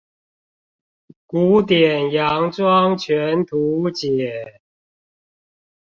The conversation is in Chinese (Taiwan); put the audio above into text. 古典洋裝全圖解